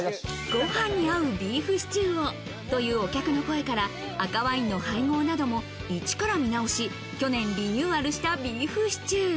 ご飯に合うビーフシチューを、というお客の声から赤ワインの配合などもイチから見直し、去年リニューアルしたビーフシチュー。